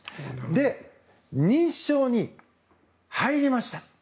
で、認知症に入りました。